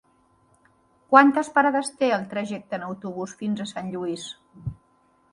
Quantes parades té el trajecte en autobús fins a Sant Lluís?